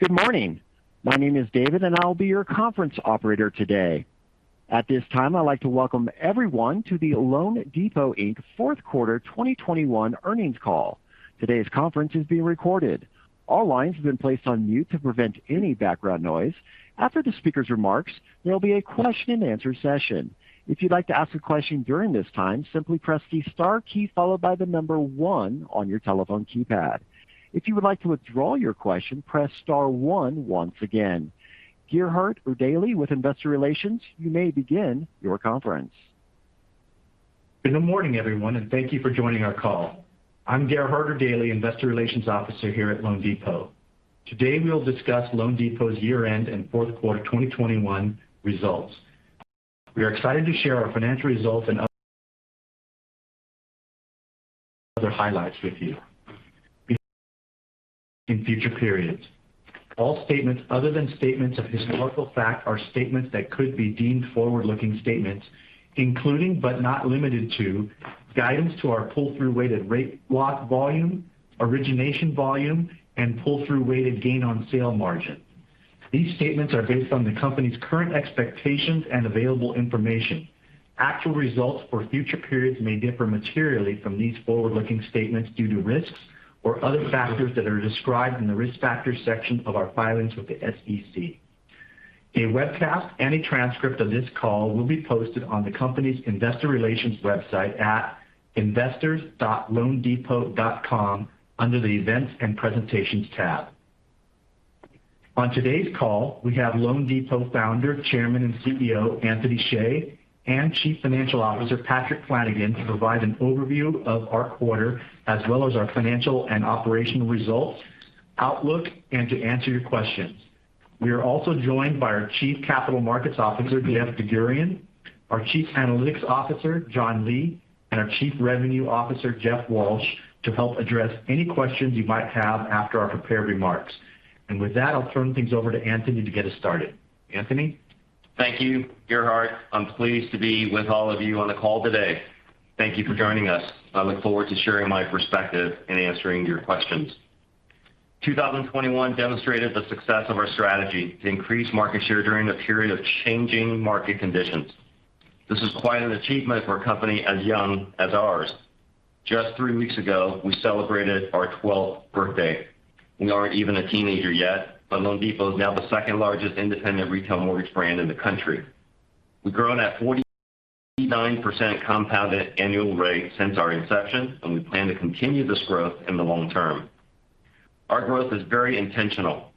Good morning. My name is David, and I'll be your conference operator today. At this time, I'd like to welcome everyone to the loanDepot, Inc. fourth quarter 2021 earnings call. Today's conference is being recorded. All lines have been placed on mute to prevent any background noise. After the speaker's remarks, there'll be a question-and-answer session. If you'd like to ask a question during this time, simply press the star key followed by the number one on your telephone keypad. If you would like to withdraw your question, press star one once again. Gerhard Erdelji with Investor Relations, you may begin your conference. Good morning, everyone, and thank you for joining our call. I'm Gerhard Erdelji, Investor Relations Officer here at loanDepot. Today, we'll discuss loanDepot's year-end and fourth quarter 2021 results. We are excited to share our financial results and other highlights with you in future periods. All statements other than statements of historical fact are statements that could be deemed forward-looking statements, including but not limited to, guidance to our pull-through weighted rate lock volume, origination volume, and pull-through weighted gain on sale margin. These statements are based on the company's current expectations and available information. Actual results for future periods may differ materially from these forward-looking statements due to risks or other factors that are described in the Risk Factors section of our filings with the SEC. A webcast and a transcript of this call will be posted on the company's investor relations website at investors.loandepot.com under the Events and Presentations tab. On today's call, we have loanDepot Founder, Chairman, and CEO Anthony Hsieh, and Chief Financial Officer Patrick Flanagan, to provide an overview of our quarter as well as our financial and operational results, outlook, and to answer your questions. We are also joined by our Chief Capital Markets Officer, Jeff DerGurahian, our Chief Analytics Officer, John Lee, and our Chief Revenue Officer, Jeff Walsh, to help address any questions you might have after our prepared remarks. With that, I'll turn things over to Anthony to get us started. Anthony? Thank you, Gerhard. I'm pleased to be with all of you on the call today. Thank you for joining us. I look forward to sharing my perspective and answering your questions. 2021 demonstrated the success of our strategy to increase market share during a period of changing market conditions. This is quite an achievement for a company as young as ours. Just three weeks ago, we celebrated our 12th birthday. We aren't even a teenager yet, but loanDepot is now the second largest independent retail mortgage brand in the country. We've grown at 49% compounded annual rate since our inception, and we plan to continue this growth in the long term. Our growth is very intentional.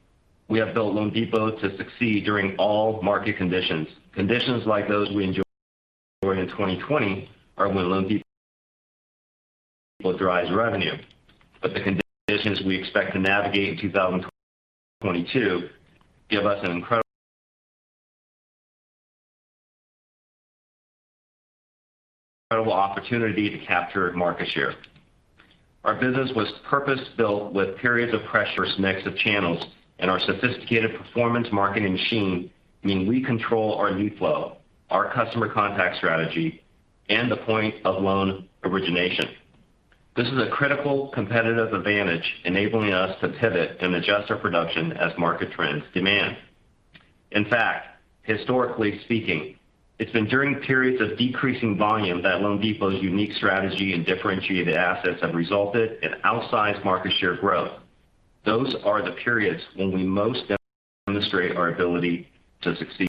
We have built loanDepot to succeed during all market conditions. Conditions like those we enjoyed in 2020 are when loanDepot drives revenue. The conditions we expect to navigate in 2022 give us an incredible opportunity to capture market share. Our business was purpose-built for periods of pressure. Our mix of channels and our sophisticated performance marketing machine mean we control our lead flow, our customer contact strategy, and the point of loan origination. This is a critical competitive advantage enabling us to pivot and adjust our production as market trends demand. In fact, historically speaking, it's been during periods of decreasing volume that loanDepot's unique strategy and differentiated assets have resulted in outsized market share growth. Those are the periods when we most demonstrate our ability to succeed.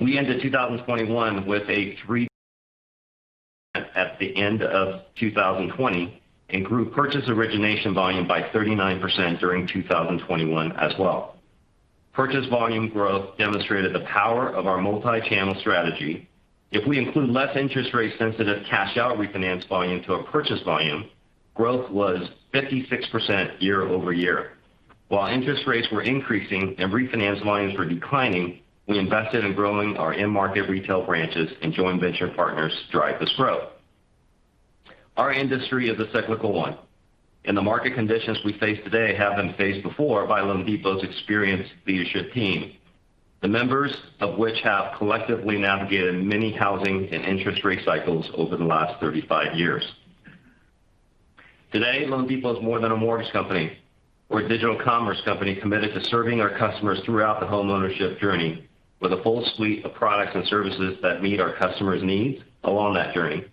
We ended 2021 with a 3% at the end of 2020, and grew purchase origination volume by 39% during 2021 as well. Purchase volume growth demonstrated the power of our multi-channel strategy. If we include less interest rate sensitive cash out refinance volume to our purchase volume, growth was 56% year-over-year. While interest rates were increasing and refinance volumes were declining, we invested in growing our in-market retail branches and joint venture partners to drive this growth. Our industry is a cyclical one, and the market conditions we face today have been faced before by loanDepot's experienced leadership team, the members of which have collectively navigated many housing and interest rate cycles over the last 35 years. Today, loanDepot is more than a mortgage company. We're a digital commerce company committed to serving our customers throughout the homeownership journey with a full suite of products and services that meet our customers' needs along that journey.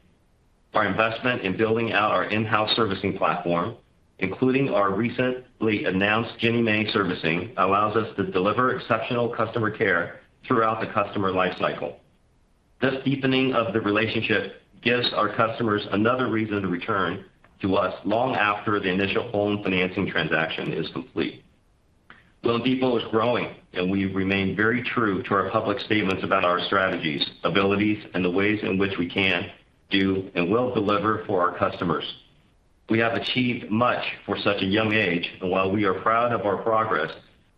Our investment in building out our in-house servicing platform, including our recently announced Ginnie Mae servicing, allows us to deliver exceptional customer care throughout the customer life cycle. This deepening of the relationship gives our customers another reason to return to us long after the initial home financing transaction is complete. loanDepot is growing, and we remain very true to our public statements about our strategies, abilities, and the ways in which we can, do, and will deliver for our customers. We have achieved much for such a young age, and while we are proud of our progress,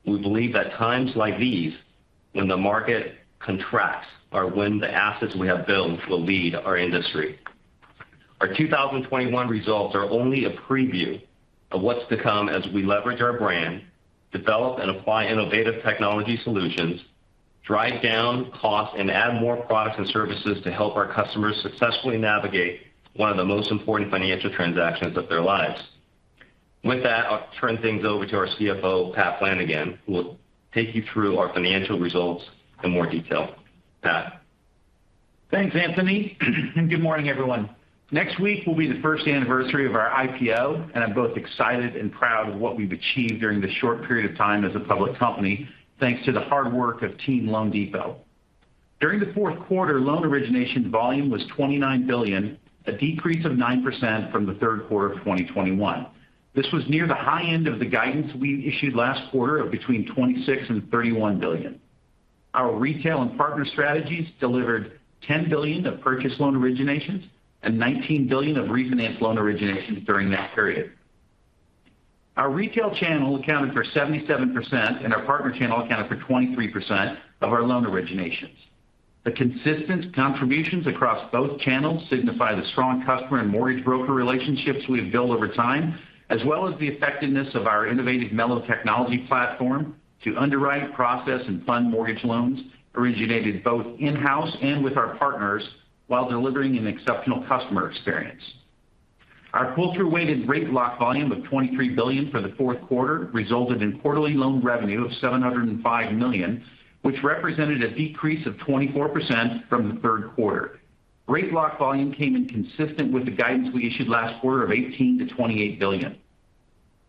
we believe at times like these when the market contracts are when the assets we have built will lead our industry. Our 2021 results are only a preview of what's to come as we leverage our brand, develop and apply innovative technology solutions. Drive down costs and add more products and services to help our customers successfully navigate one of the most important financial transactions of their lives. With that, I'll turn things over to our CFO, Pat Flanagan, who will take you through our financial results in more detail. Pat. Thanks, Anthony. Good morning, everyone. Next week will be the first anniversary of our IPO, and I'm both excited and proud of what we've achieved during this short period of time as a public company, thanks to the hard work of team loanDepot. During the fourth quarter, loan origination volume was $29 billion, a decrease of 9% from the third quarter of 2021. This was near the high end of the guidance we issued last quarter of between $26 billion and $31 billion. Our retail and partner strategies delivered $10 billion of purchase loan originations and $19 billion of refinance loan originations during that period. Our retail channel accounted for 77%, and our partner channel accounted for 23% of our loan originations. The consistent contributions across both channels signify the strong customer and mortgage broker relationships we've built over time, as well as the effectiveness of our innovative mello technology platform to underwrite, process, and fund mortgage loans originated both in-house and with our partners while delivering an exceptional customer experience. Our pull-through weighted rate lock volume of $23 billion for the fourth quarter resulted in quarterly loan revenue of $705 million, which represented a decrease of 24% from the third quarter. Rate lock volume came in consistent with the guidance we issued last quarter of $18 billion-$28 billion.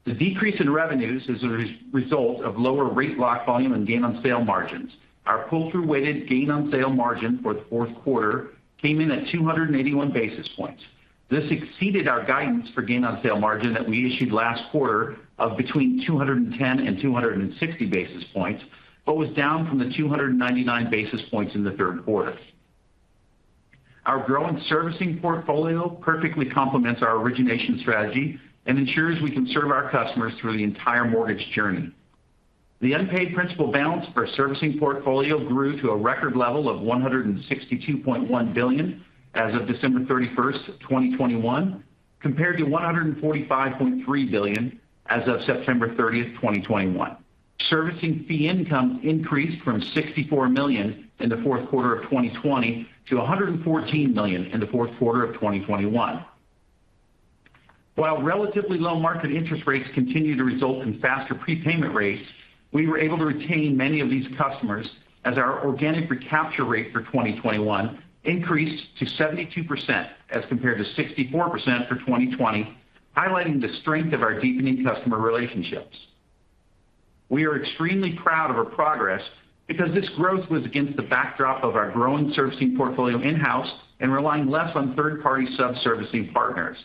The decrease in revenues is a result of lower rate lock volume and gain on sale margins. Our pull-through weighted gain on sale margin for the fourth quarter came in at 281 basis points. This exceeded our guidance for gain on sale margin that we issued last quarter of between 210 and 260 basis points, but was down from the 299 basis points in the third quarter. Our growing servicing portfolio perfectly complements our origination strategy and ensures we can serve our customers through the entire mortgage journey. The unpaid principal balance for our servicing portfolio grew to a record level of $162.1 billion as of December 31st, 2021, compared to $145.3 billion as of September 30th, 2021. Servicing fee income increased from $64 million in the fourth quarter of 2020 to $114 million in the fourth quarter of 2021. While relatively low market interest rates continue to result in faster prepayment rates, we were able to retain many of these customers as our organic recapture rate for 2021 increased to 72% as compared to 64% for 2020, highlighting the strength of our deepening customer relationships. We are extremely proud of our progress because this growth was against the backdrop of our growing servicing portfolio in-house and relying less on third-party sub-servicing partners.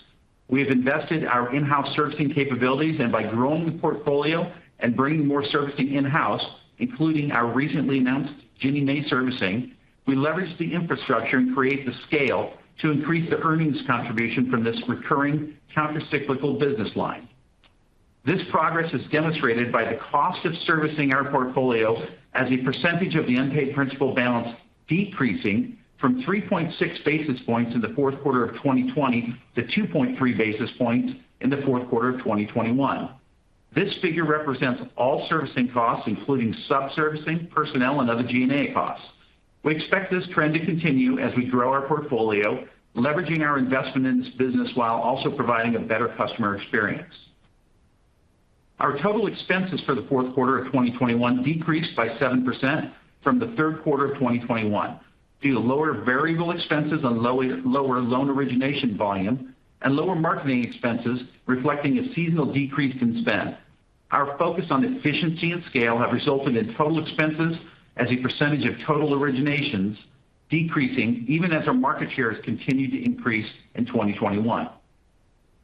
We have invested our in-house servicing capabilities, and by growing the portfolio and bringing more servicing in-house, including our recently announced Ginnie Mae servicing, we leverage the infrastructure and create the scale to increase the earnings contribution from this recurring countercyclical business line. This progress is demonstrated by the cost of servicing our portfolio as a percentage of the unpaid principal balance decreasing from 3.6 basis points in the fourth quarter of 2020 to 2.3 basis points in the fourth quarter of 2021. This figure represents all servicing costs, including sub-servicing, personnel, and other G&A costs. We expect this trend to continue as we grow our portfolio, leveraging our investment in this business while also providing a better customer experience. Our total expenses for the fourth quarter of 2021 decreased by 7% from the third quarter of 2021 due to lower variable expenses on lower loan origination volume and lower marketing expenses reflecting a seasonal decrease in spend. Our focus on efficiency and scale have resulted in total expenses as a percentage of total originations decreasing even as our market shares continued to increase in 2021.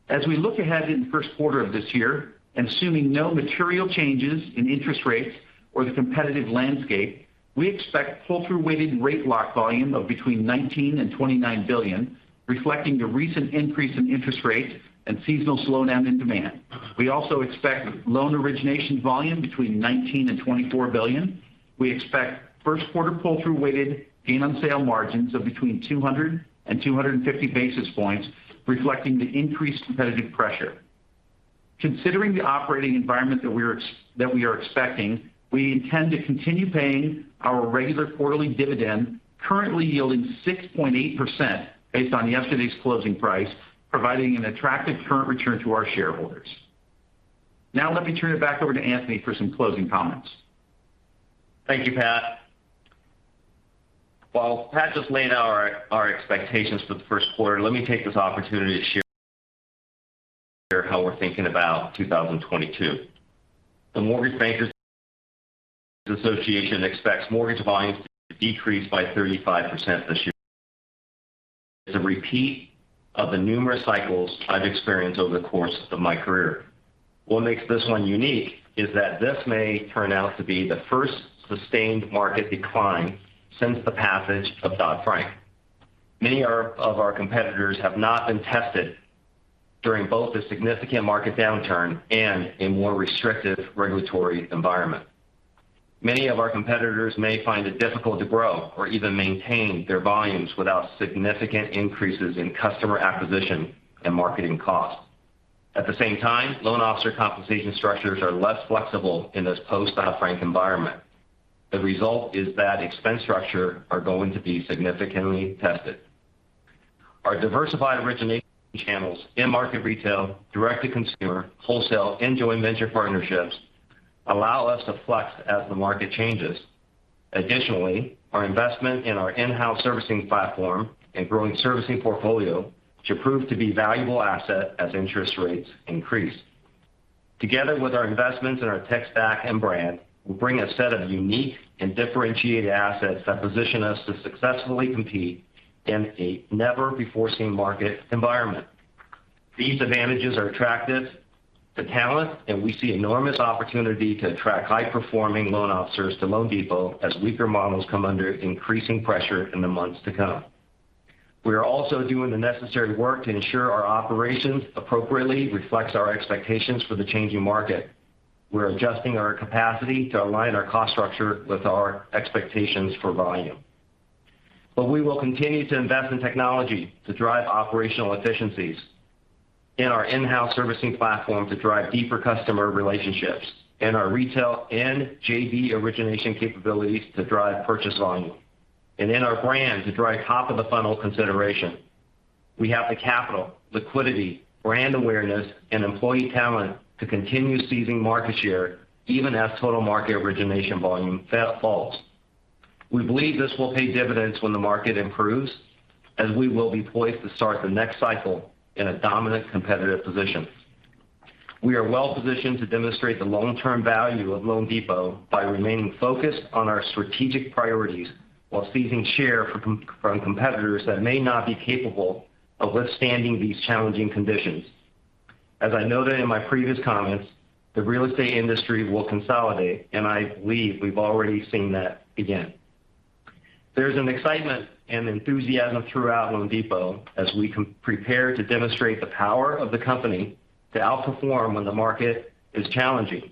As we look ahead in the first quarter of this year and assuming no material changes in interest rates or the competitive landscape, we expect pull-through weighted rate lock volume of between $19 billion and $29 billion, reflecting the recent increase in interest rates and seasonal slowdown in demand. We also expect loan origination volume between $19 billion and $24 billion. We expect first quarter pull-through weighted gain on sale margins of between 200 and 250 basis points, reflecting the increased competitive pressure. Considering the operating environment that we are expecting, we intend to continue paying our regular quarterly dividend, currently yielding 6.8% based on yesterday's closing price, providing an attractive current return to our shareholders. Now let me turn it back over to Anthony for some closing comments. Thank you, Pat. While Pat just laid out our expectations for the first quarter, let me take this opportunity to share how we're thinking about 2022. The Mortgage Bankers Association expects mortgage volumes to decrease by 35% this year. It's a repeat of the numerous cycles I've experienced over the course of my career. What makes this one unique is that this may turn out to be the first sustained market decline since the passage of Dodd-Frank. Many of our competitors have not been tested during both the significant market downturn and a more restrictive regulatory environment. Many of our competitors may find it difficult to grow or even maintain their volumes without significant increases in customer acquisition and marketing costs. At the same time, loan officer compensation structures are less flexible in this post-Dodd-Frank environment. The result is that expense structure are going to be significantly tested. Our diversified origination channels in market retail, direct-to-consumer, wholesale, and joint venture partnerships allow us to flex as the market changes. Additionally, our investment in our in-house servicing platform and growing servicing portfolio should prove to be valuable asset as interest rates increase. Together with our investments in our tech stack and brand, we bring a set of unique and differentiated assets that position us to successfully compete in a never-before-seen market environment. These advantages are attractive to talent, and we see enormous opportunity to attract high-performing loan officers to loanDepot as weaker models come under increasing pressure in the months to come. We are also doing the necessary work to ensure our operations appropriately reflects our expectations for the changing market. We're adjusting our capacity to align our cost structure with our expectations for volume. We will continue to invest in technology to drive operational efficiencies in our in-house servicing platform to drive deeper customer relationships and our retail and JV origination capabilities to drive purchase volume and in our brand to drive top-of-the-funnel consideration. We have the capital, liquidity, brand awareness, and employee talent to continue seizing market share even as total market origination volume falls. We believe this will pay dividends when the market improves, as we will be poised to start the next cycle in a dominant competitive position. We are well positioned to demonstrate the long-term value of loanDepot by remaining focused on our strategic priorities while seizing share from competitors that may not be capable of withstanding these challenging conditions. As I noted in my previous comments, the real estate industry will consolidate, and I believe we've already seen that again. There's an excitement and enthusiasm throughout loanDepot as we prepare to demonstrate the power of the company to outperform when the market is challenging.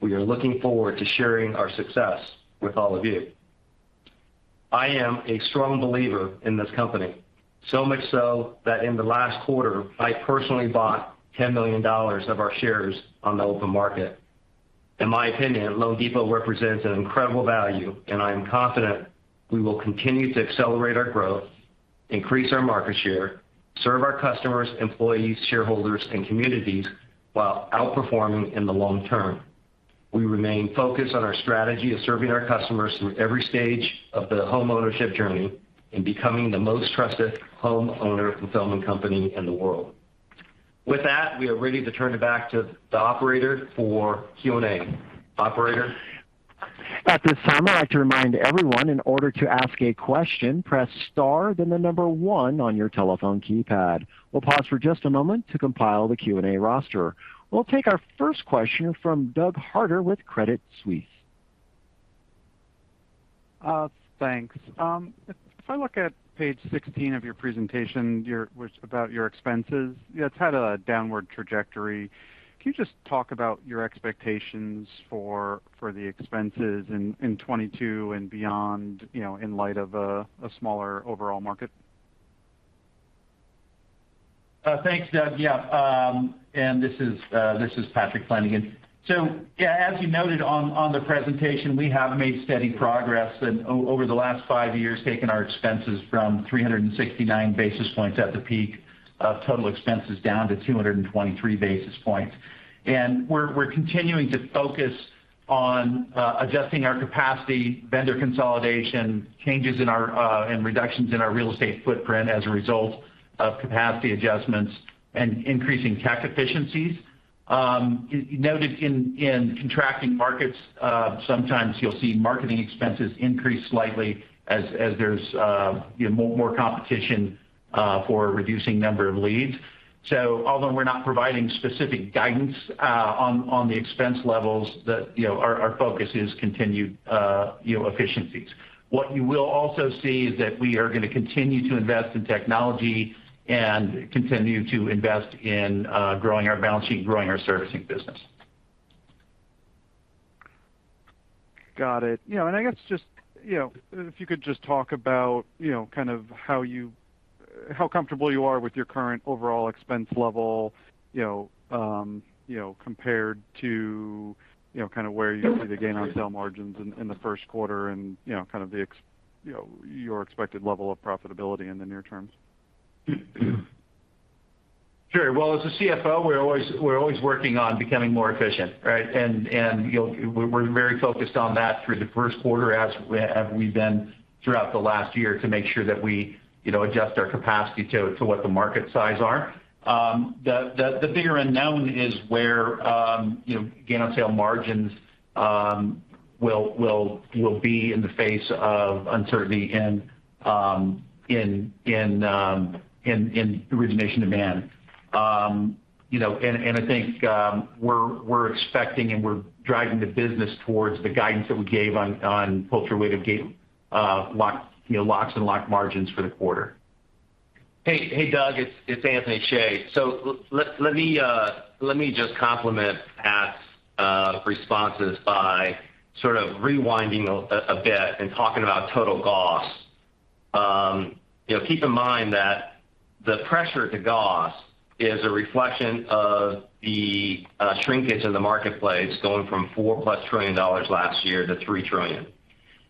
We are looking forward to sharing our success with all of you. I am a strong believer in this company, so much so that in the last quarter, I personally bought $10 million of our shares on the open market. In my opinion, loanDepot represents an incredible value, and I am confident we will continue to accelerate our growth, increase our market share, serve our customers, employees, shareholders, and communities while outperforming in the long term. We remain focused on our strategy of serving our customers through every stage of the homeownership journey and becoming the most trusted homeowner fulfillment company in the world. With that, we are ready to turn it back to the operator for Q&A. Operator? At this time, I'd like to remind everyone in order to ask a question, press star then the number one on your telephone keypad. We'll pause for just a moment to compile the Q&A roster. We'll take our first question from Doug Harter with Credit Suisse. Thanks. If I look at page 16 of your presentation, which is about your expenses, you know, it's had a downward trajectory. Can you just talk about your expectations for the expenses in 2022 and beyond, you know, in light of a smaller overall market? Thanks, Doug. Yeah. This is Patrick Flanagan. Yeah, as you noted on the presentation, we have made steady progress and over the last five years, taken our expenses from 369 basis points at the peak of total expenses down to 223 basis points. We're continuing to focus on adjusting our capacity, vendor consolidation, changes in our and reductions in our real estate footprint as a result of capacity adjustments and increasing tech efficiencies. You noted in contracting markets, sometimes you'll see marketing expenses increase slightly as there's you know, more competition for a reducing number of leads. Although we're not providing specific guidance on the expense levels, you know, our focus is continued you know, efficiencies. What you will also see is that we are gonna continue to invest in technology and continue to invest in growing our balance sheet and growing our servicing business. Got it. You know, I guess just, you know, if you could just talk about, you know, kind of how comfortable you are with your current overall expense level, you know, compared to, you know, kind of where you see the gain on sale margins in the first quarter and, you know, kind of your expected level of profitability in the near term. Sure. Well, as a CFO, we're always working on becoming more efficient, right? You know, we're very focused on that through the first quarter as we have been throughout the last year to make sure that we adjust our capacity to what the market sizes are. The bigger unknown is, you know, where gain on sale margins will be in the face of uncertainty and in origination demand. You know, I think we're expecting and we're driving the business towards the guidance that we gave on pull-through rate of gain lock you know locks and lock margins for the quarter. Hey, Doug, it's Anthony Hsieh. Let me just compliment Pat's response by sort of rewinding a bit and talking about total costs. You know, keep in mind that the pressure on cost is a reflection of the shrinkage in the marketplace going from $4+ trillion last year to $3 trillion.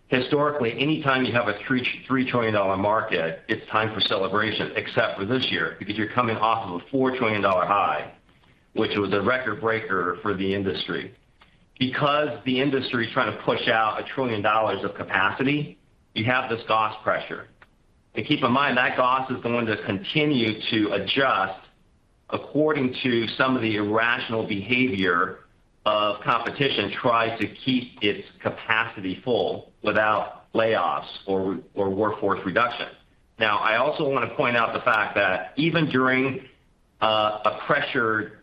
Historically, anytime you have a $3 trillion market, it's time for celebration, except for this year, because you're coming off of a $4 trillion high, which was a record breaker for the industry. Because the industry is trying to push out $1 trillion of capacity, you have this cost pressure. Keep in mind, that cost is going to continue to adjust according to some of the irrational behavior of competition that tries to keep its capacity full without layoffs or workforce reduction. Now, I also want to point out the fact that even during a pressured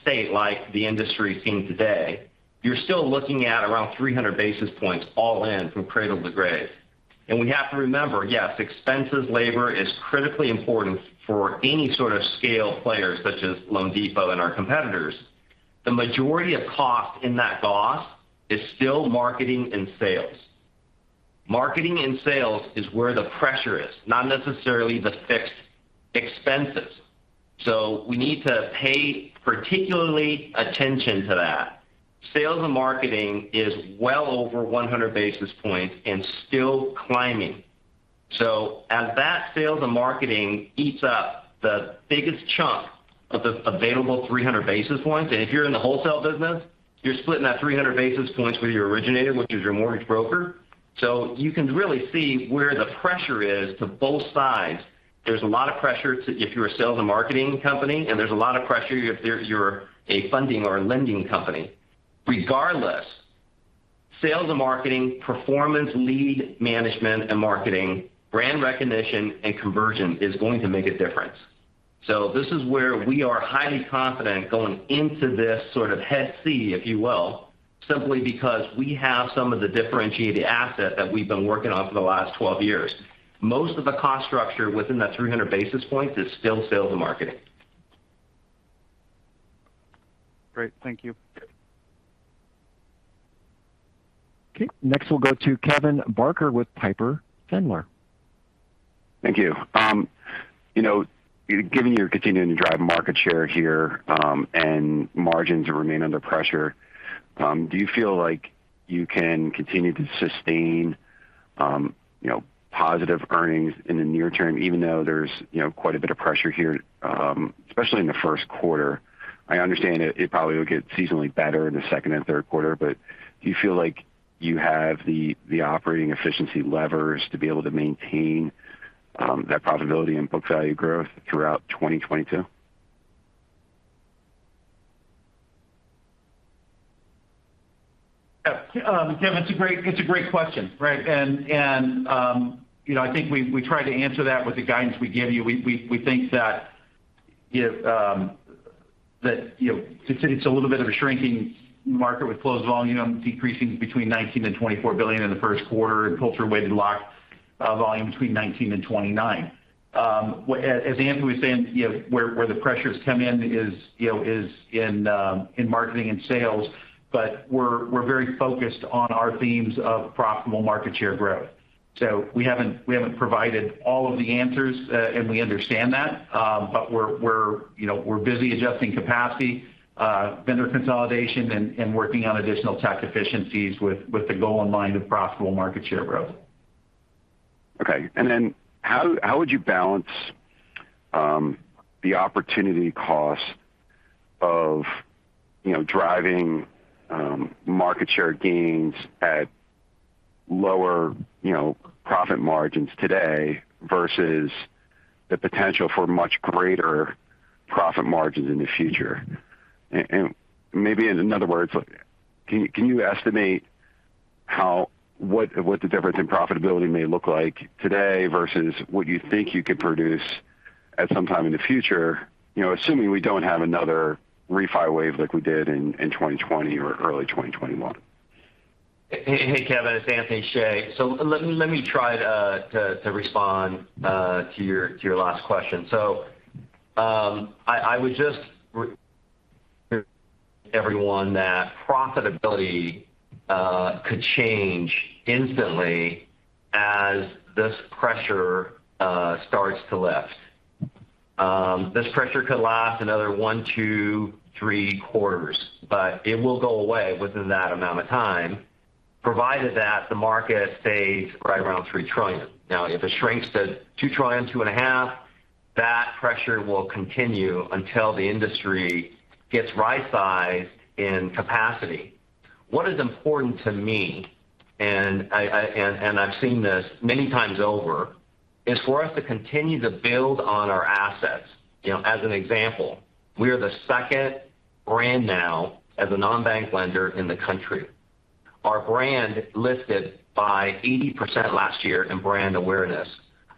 state like the industry is seeing today, you're still looking at around 300 basis points all in from cradle to grave. We have to remember, yes, expenses, labor is critically important for any sort of scale players such as loanDepot and our competitors. The majority of cost in that cost is still marketing and sales. Marketing and sales is where the pressure is, not necessarily the fixed expenses. We need to pay particularly attention to that. Sales and marketing is well over 100 basis points and still climbing. As that sales and marketing eats up the biggest chunk of the available 300 basis points, and if you're in the wholesale business, you're splitting that 300 basis points with your originator, which is your mortgage broker. You can really see where the pressure is to both sides. There's a lot of pressure if you're a sales and marketing company, and there's a lot of pressure if you're a funding or a lending company. Regardless, sales and marketing, performance lead management and marketing, brand recognition and conversion is going to make a difference. This is where we are highly confident going into this sort of headwind, if you will, simply because we have some of the differentiated asset that we've been working on for the last 12 years. Most of the cost structure within that 300 basis points is still sales and marketing. Great. Thank you. Okay, next we'll go to Kevin Barker with Piper Sandler. Thank you. You know, given you're continuing to drive market share here, and margins remain under pressure, do you feel like you can continue to sustain, you know, positive earnings in the near term, even though there's, you know, quite a bit of pressure here, especially in the first quarter? I understand it probably will get seasonally better in the second and third quarter, but do you feel like you have the operating efficiency levers to be able to maintain that profitability and book value growth throughout 2022? Yeah. Kevin, it's a great question, right? You know, I think we think that you know, it's a little bit of a shrinking market with closed volume decreasing between $19 billion-$24 billion in the first quarter and pull-through weighted lock volume between $19 billion-$29 billion. As Anthony was saying, you know, where the pressures come in is you know, is in marketing and sales. We're very focused on our themes of profitable market share growth. We haven't provided all of the answers, and we understand that. We're, you know, busy adjusting capacity, vendor consolidation and working on additional tech efficiencies with the goal in mind of profitable market share growth. Okay. How would you balance the opportunity cost of, you know, driving market share gains at lower, you know, profit margins today versus the potential for much greater profit margins in the future? Maybe in other words, can you estimate what the difference in profitability may look like today versus what you think you could produce at some time in the future, you know, assuming we don't have another refi wave like we did in 2020 or early 2021? Hey, Kevin, it's Anthony Hsieh. Let me try to respond to your last question. I would just remind everyone that profitability could change instantly as this pressure starts to lift. This pressure could last another one to three quarters, but it will go away within that amount of time, provided that the market stays right around $3 trillion. Now, if it shrinks to $2 trillion, $2.5 trillion, that pressure will continue until the industry gets right-sized in capacity. What is important to me, and I've seen this many times over, is for us to continue to build on our assets. You know, as an example, we are the second brand now as a non-bank lender in the country. Our brand lifted by 80% last year in brand awareness.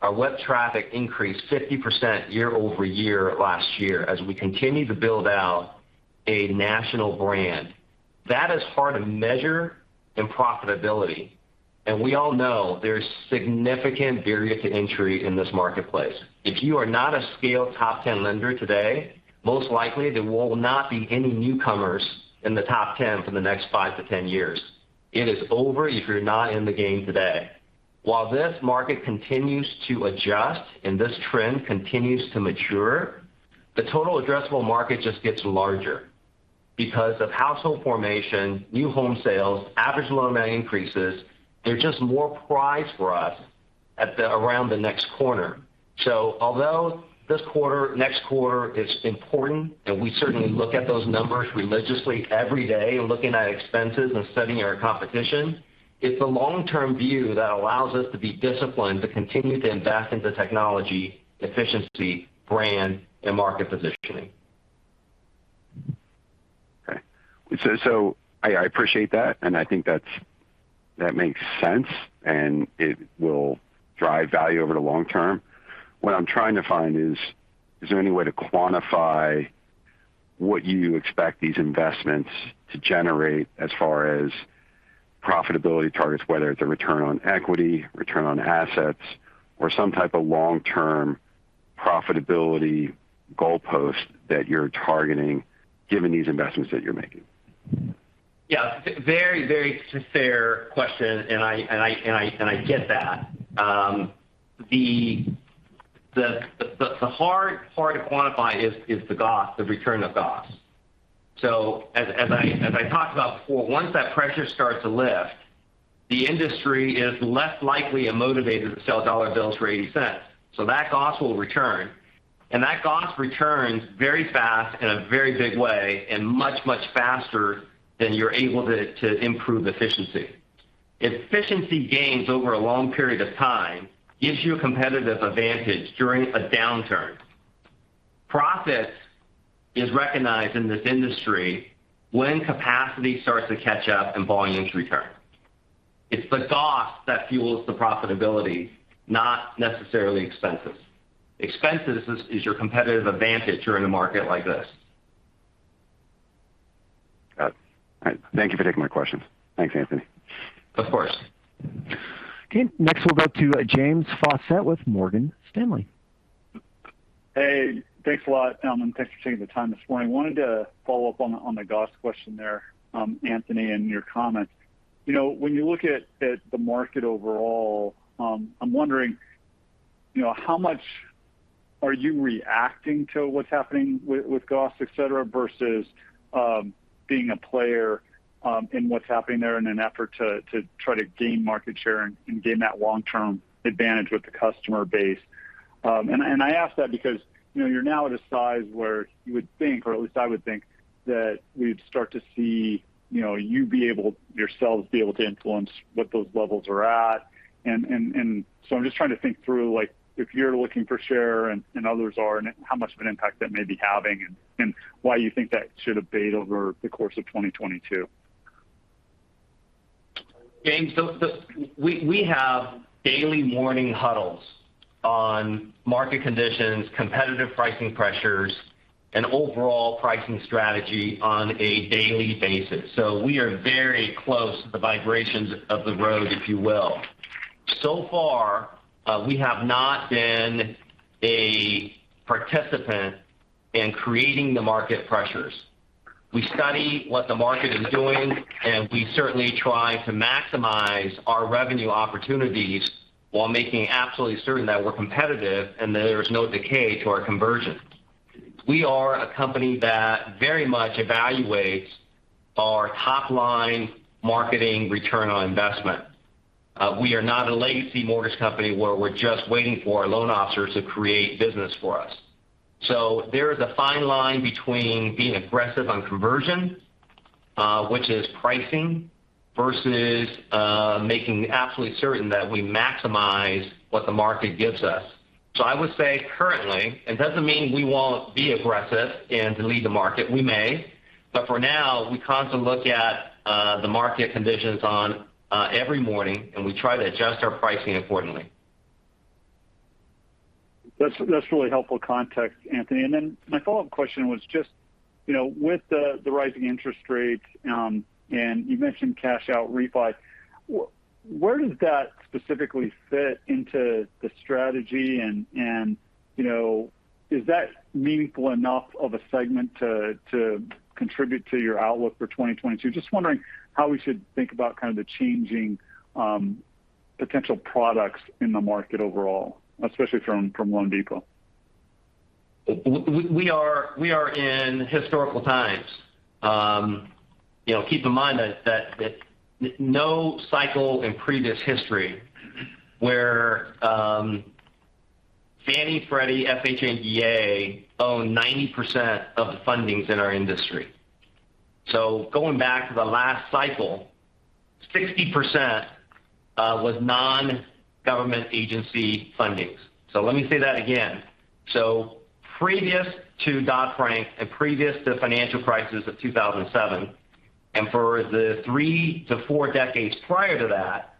Our web traffic increased 50% year-over-year last year as we continue to build out a national brand. That is hard to measure in profitability. We all know there's significant barrier to entry in this marketplace. If you are not a scaled top 10 lender today, most likely there will not be any newcomers in the top 10 for the next five to 10 years. It is over if you're not in the game today. While this market continues to adjust and this trend continues to mature, the total addressable market just gets larger because of household formation, new home sales, average loan amount increases. There are just more prizes for us around the next corner. Although this quarter, next quarter is important, and we certainly look at those numbers religiously every day, looking at expenses and studying our competition, it's a long-term view that allows us to be disciplined to continue to invest into technology, efficiency, brand, and market positioning. Okay. I appreciate that, and I think that makes sense, and it will drive value over the long term. What I'm trying to find is there any way to quantify what you expect these investments to generate as far as profitability targets, whether it's a return on equity, return on assets, or some type of long-term profitability goalpost that you're targeting given these investments that you're making? Yeah. Very, very fair question, and I get that. The hard part to quantify is the GoS, the return of GoS. As I talked about before, once that pressure starts to lift, the industry is less likely and motivated to sell dollar bills for $0.80. That GoS will return, and that GoS returns very fast in a very big way and much faster than you're able to improve efficiency. Efficiency gains over a long period of time gives you a competitive advantage during a downturn. Profit is recognized in this industry when capacity starts to catch up and volumes return. It's the GoS that fuels the profitability, not necessarily expenses. Expenses is your competitive advantage during a market like this. Got it. All right. Thank you for taking my questions. Thanks, Anthony. Of course. Okay. Next we'll go to James Faucette with Morgan Stanley. Hey. Thanks a lot, and thanks for taking the time this morning. Wanted to follow up on the GoS question there, Anthony, and your comments. You know, when you look at the market overall, I'm wondering, you know, how much are you reacting to what's happening with GoS, et cetera, versus being a player in what's happening there in an effort to try to gain market share and gain that long-term advantage with the customer base. I ask that because, you know, you're now at a size where you would think or at least I would think that we'd start to see, you know, you yourselves be able to influence what those levels are at. I'm just trying to think through, like, if you're looking for share and others are and how much of an impact that may be having and why you think that should abate over the course of 2022. James, we have daily morning huddles on market conditions, competitive pricing pressures, and overall pricing strategy on a daily basis. We are very close to the vibrations of the road, if you will. So far, we have not been a participant in creating the market pressures. We study what the market is doing, and we certainly try to maximize our revenue opportunities while making absolutely certain that we're competitive and that there is no decay to our conversion. We are a company that very much evaluates our top-line marketing return on investment. We are not a legacy mortgage company where we're just waiting for our loan officers to create business for us. There is a fine line between being aggressive on conversion, which is pricing, versus making absolutely certain that we maximize what the market gives us. I would say currently, it doesn't mean we won't be aggressive and to lead the market, we may. For now, we constantly look at the market conditions on every morning, and we try to adjust our pricing accordingly. That's really helpful context, Anthony. My follow-up question was just, you know, with the rising interest rates, and you mentioned cash out refi, where does that specifically fit into the strategy? You know, is that meaningful enough of a segment to contribute to your outlook for 2022? Just wondering how we should think about kind of the changing potential products in the market overall, especially from loanDepot. We are in historical times. You know, keep in mind that no cycle in previous history where Fannie, Freddie, FHA, and VA own 90% of the fundings in our industry. Going back to the last cycle, 60% was non-government agency fundings. Let me say that again. Previous to Dodd-Frank and previous to financial crisis of 2007, and for the three to four decades prior to that,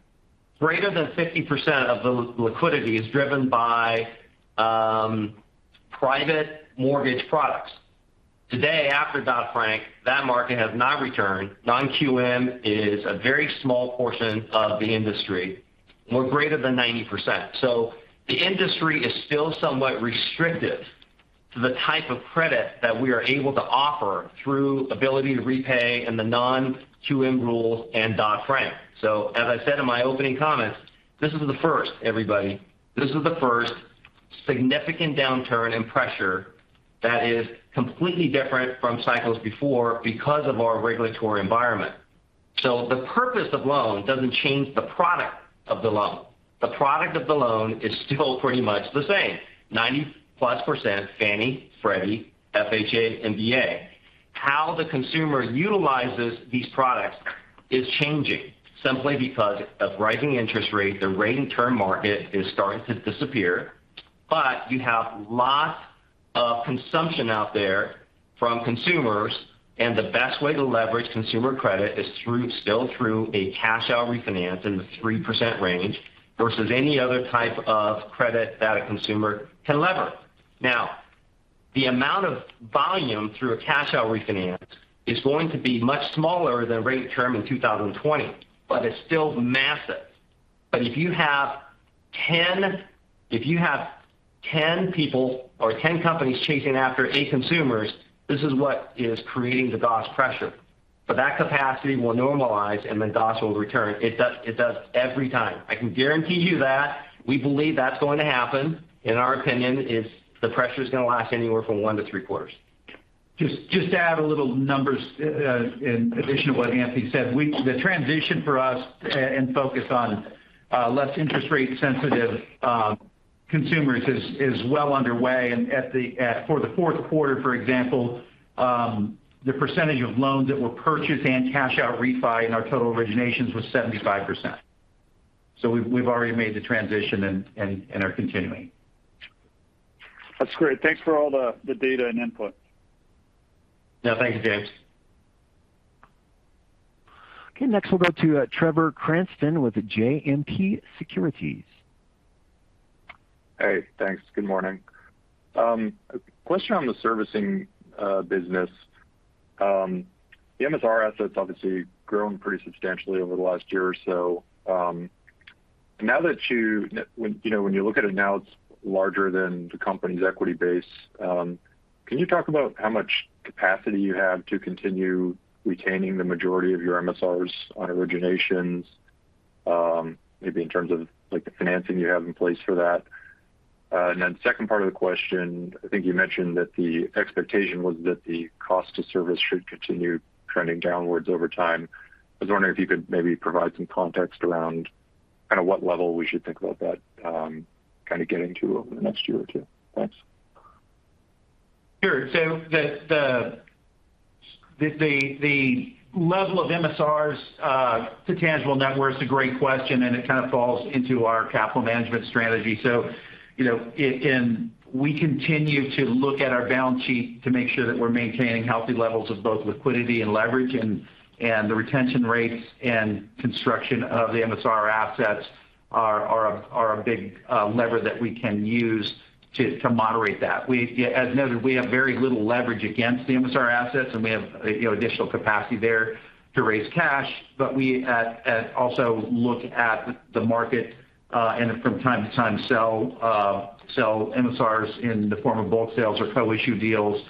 greater than 50% of the liquidity is driven by private mortgage products. Today, after Dodd-Frank, that market has not returned. Non-QM is a very small portion of the industry. We're greater than 90%. The industry is still somewhat restricted to the type of credit that we are able to offer through ability to repay and the non-QM rules and Dodd-Frank. As I said in my opening comments, this is the first, everybody. This is the first significant downturn in pressure that is completely different from cycles before because of our regulatory environment. The purpose of loanDepot doesn't change the product of the loan. The product of the loan is still pretty much the same. 90%+ Fannie, Freddie, FHA, VA. How the consumer utilizes these products is changing simply because of rising interest rates. The rate and term market is starting to disappear, but you have lots of consumption out there from consumers, and the best way to leverage consumer credit is through, still through a cash-out refinance in the 3% range versus any other type of credit that a consumer can lever. Now, the amount of volume through a cash-out refinance is going to be much smaller than rate term in 2020, but it's still massive. If you have 10 people or 10 companies chasing after eight consumers, this is what is creating the GoS pressure. That capacity will normalize, and then GoS will return. It does every time. I can guarantee you that. We believe that's going to happen. In our opinion, the pressure is going to last anywhere from one to three quarters. Just to add a little numbers in addition to what Anthony said, the transition for us and focus on less interest rate sensitive consumers is well underway. In the fourth quarter, for example, the percentage of loans that were purchased and cash out refi in our total originations was 75%. We've already made the transition and are continuing. That's great. Thanks for all the data and input. No, thank you, James. Okay. Next, we'll go to Trevor Cranston with JMP Securities. Hey, thanks. Good morning. Question on the servicing business. The MSR assets obviously grown pretty substantially over the last year or so. When, you know, when you look at it now, it's larger than the company's equity base. Can you talk about how much capacity you have to continue retaining the majority of your MSRs on originations, maybe in terms of, like, the financing you have in place for that? Second part of the question, I think you mentioned that the expectation was that the cost to service should continue trending downwards over time. I was wondering if you could maybe provide some context around kind of what level we should think about that, kind of getting to over the next year or two. Thanks. Sure. The level of MSRs to tangible net worth is a great question, and it kind of falls into our capital management strategy. We continue to look at our balance sheet to make sure that we're maintaining healthy levels of both liquidity and leverage, and the retention rates and construction of the MSR assets are a big lever that we can use to moderate that. As noted, we have very little leverage against the MSR assets, and we have additional capacity there to raise cash. We also look at the market and from time to time sell MSRs in the form of bulk sales or co-issue deals.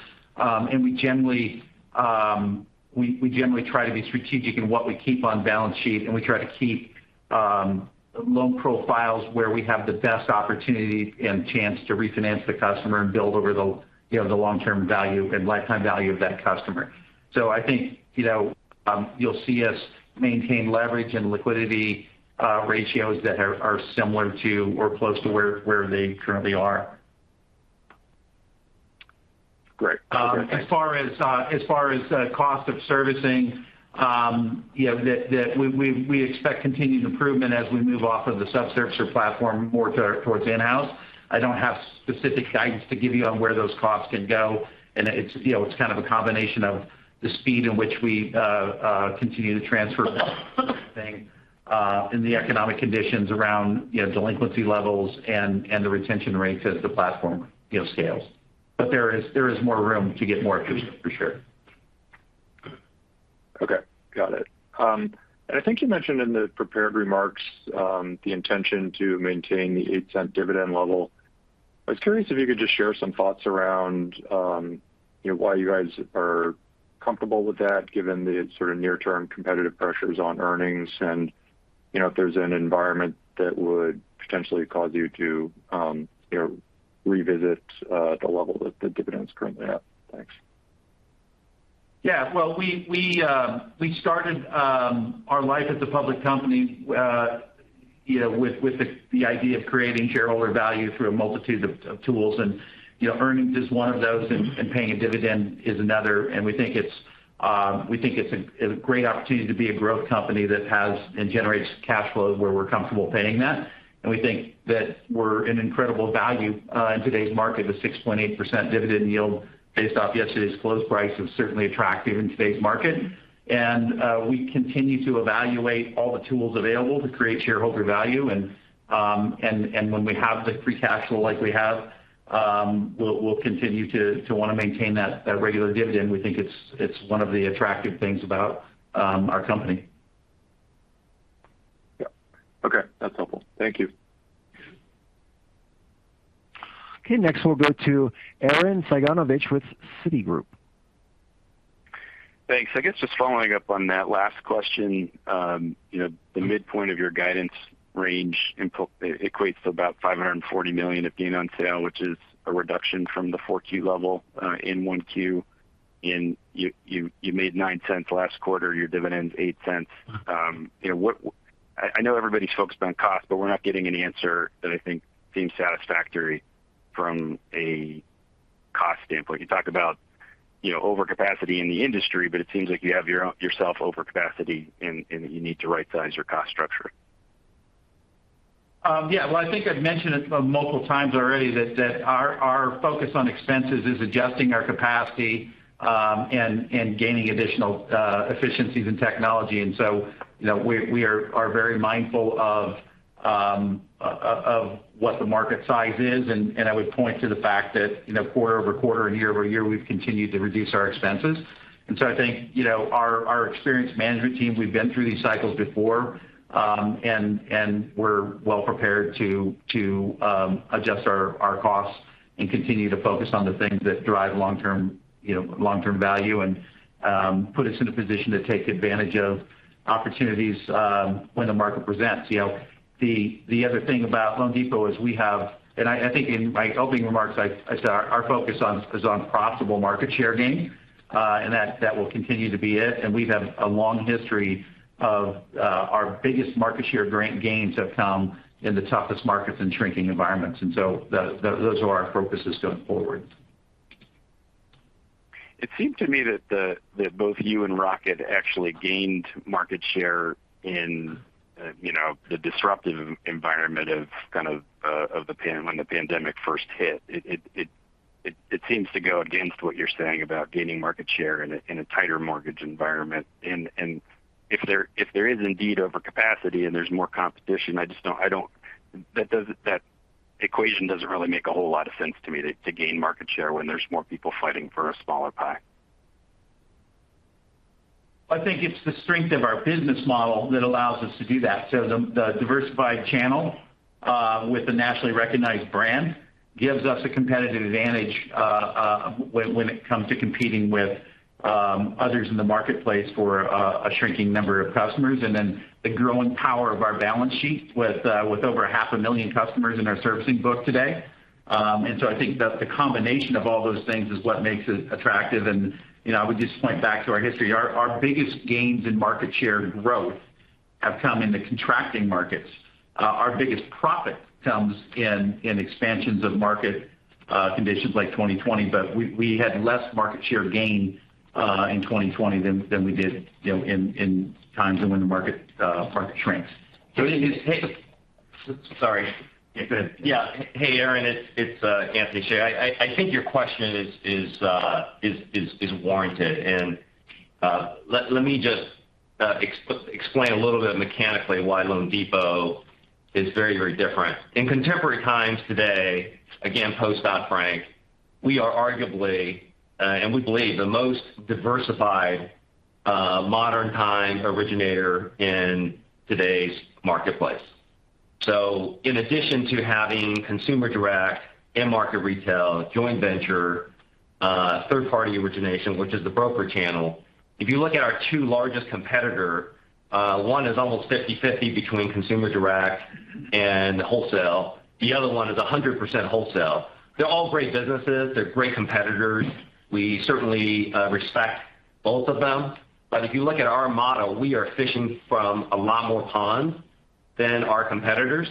We generally try to be strategic in what we keep on balance sheet, and we try to keep loan profiles where we have the best opportunity and chance to refinance the customer and build over the, you know, the long-term value and lifetime value of that customer. I think, you know, you'll see us maintain leverage and liquidity ratios that are similar to or close to where they currently are. Great. As far as the cost of servicing, you know, we expect continued improvement as we move off of the subservicer platform more towards in-house. I don't have specific guidance to give you on where those costs can go. It's, you know, it's kind of a combination of the speed in which we continue to transfer in the economic conditions around, you know, delinquency levels and the retention rates as the platform, you know, scales. There is more room to get more efficient for sure. Okay. Got it. I think you mentioned in the prepared remarks, the intention to maintain the $0.08 dividend level. I was curious if you could just share some thoughts around, you know, why you guys are comfortable with that, given the sort of near-term competitive pressures on earnings and, you know, if there's an environment that would potentially cause you to, you know, revisit, the level that the dividend's currently at. Thanks. Yeah. Well, we started our life as a public company, you know, with the idea of creating shareholder value through a multitude of tools. You know, earnings is one of those and paying a dividend is another. We think it's a great opportunity to be a growth company that has and generates cash flows where we're comfortable paying that. We think that we're an incredible value in today's market. The 6.8% dividend yield based off yesterday's close price is certainly attractive in today's market. We continue to evaluate all the tools available to create shareholder value. When we have the free cash flow like we have, we'll continue to want to maintain that regular dividend. We think it's one of the attractive things about our company. Yeah. Okay. That's helpful. Thank you. Okay, next we'll go to Arren Cyganovich with Citigroup. Thanks. I guess just following up on that last question, you know, the midpoint of your guidance range equates to about $540 million of gain on sale, which is a reduction from the 4Q level in 1Q. You made $0.09 last quarter, your dividend's $0.08. You know, what, I know everybody's focused on cost, but we're not getting an answer that I think seems satisfactory from a cost standpoint. You talk about, you know, overcapacity in the industry, but it seems like you have your own overcapacity yourself and that you need to rightsize your cost structure. Yeah. Well, I think I've mentioned it multiple times already that our focus on expenses is adjusting our capacity and gaining additional efficiencies in technology. You know, we are very mindful of what the market size is, and I would point to the fact that, you know, quarter-over-quarter and year-over-year, we've continued to reduce our expenses. I think, you know, our experienced management team, we've been through these cycles before, and we're well prepared to adjust our costs and continue to focus on the things that drive long-term, you know, long-term value and put us in a position to take advantage of opportunities when the market presents. You know, the other thing about loanDepot is we have and I think in my opening remarks, I said our focus on this is on profitable market share gain, and that will continue to be it. We've had a long history of our biggest market share gains have come in the toughest markets and shrinking environments. Those are our focuses going forward. It seemed to me that both you and Rocket actually gained market share in the disruptive environment when the pandemic first hit. It seems to go against what you're saying about gaining market share in a tighter mortgage environment. If there is indeed overcapacity and there's more competition, I just don't. That equation doesn't really make a whole lot of sense to me to gain market share when there's more people fighting for a smaller pie. I think it's the strength of our business model that allows us to do that. The diversified channel with a nationally recognized brand gives us a competitive advantage when it comes to competing with others in the marketplace for a shrinking number of customers. The growing power of our balance sheet with over half a million customers in our servicing book today. I think the combination of all those things is what makes it attractive. You know, I would just point back to our history. Our biggest gains in market share growth have come in the contracting markets. Our biggest profit comes in expansions of market conditions like 2020, but we had less market share gain in 2020 than we did, you know, in times when the market shrinks. So you- Sorry. Yeah, go ahead. Yeah. Hey, Arren, it's Anthony Hsieh. I think your question is warranted. Let me just explain a little bit mechanically why loanDepot is very, very different. In contemporary times today, again, post Dodd-Frank, we are arguably, and we believe the most diversified, modern time originator in today's marketplace. In addition to having consumer direct, end market retail, joint venture, third-party origination, which is the broker channel. If you look at our two largest competitor, one is almost 50/50 between consumer direct and wholesale. The other one is 100% wholesale. They're all great businesses. They're great competitors. We certainly respect both of them. If you look at our model, we are fishing from a lot more ponds than our competitors.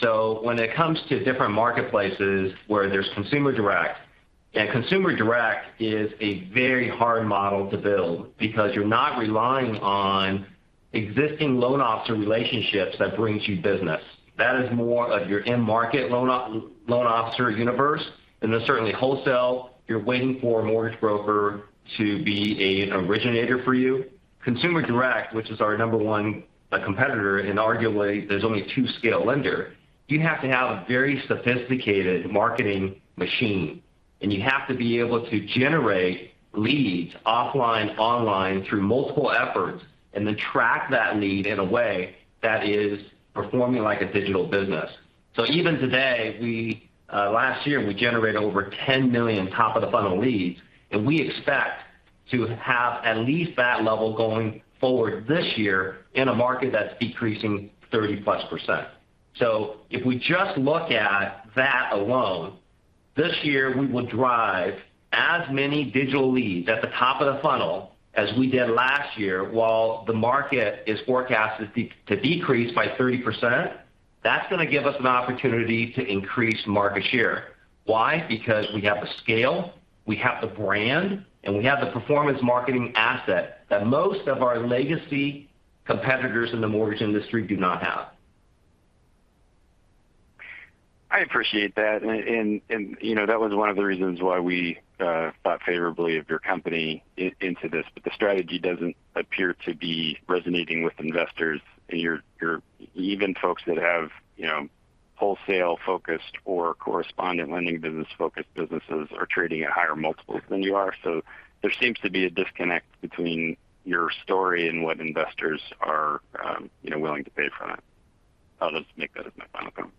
When it comes to different marketplaces where there's consumer direct, and consumer direct is a very hard model to build because you're not relying on existing loan officer relationships that brings you business. That is more of your end-market loan officer universe. Then certainly wholesale, you're waiting for a mortgage broker to be an originator for you. Consumer direct, which is our number one competitor, and arguably there's only two scaled lenders, you have to have a very sophisticated marketing machine, and you have to be able to generate leads offline, online through multiple efforts, and then track that lead in a way that is performing like a digital business. Even today, last year we generated over 10 million top of the funnel leads, and we expect to have at least that level going forward this year in a market that's decreasing 30%+ If we just look at that alone, this year we will drive as many digital leads at the top of the funnel as we did last year while the market is forecasted to decrease by 30%. That's gonna give us an opportunity to increase market share. Why? Because we have the scale, we have the brand, and we have the performance marketing asset that most of our legacy competitors in the mortgage industry do not have. I appreciate that. You know, that was one of the reasons why we thought favorably of your company into this. The strategy doesn't appear to be resonating with investors and your even folks that have, you know- Wholesale focused or correspondent lending business focused businesses are trading at higher multiples than you are. There seems to be a disconnect between your story and what investors are, you know, willing to pay for that. I'll just make that as my final comment.